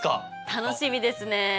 楽しみですね。